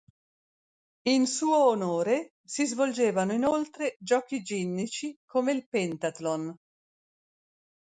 In suo onore si svolgevano inoltre giochi ginnici come il pentathlon.